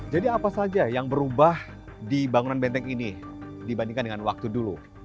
jadi apa saja yang berubah di bangunan benteng ini dibandingkan dengan waktu dulu